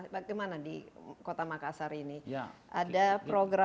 bagaimana di kota makassar ini ada program